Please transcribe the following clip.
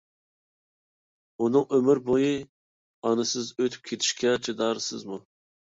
ئۇنىڭ ئۆمۈر بويى ئانىسىز ئۆتۈپ كېتىشىگە چىدارسىزمۇ؟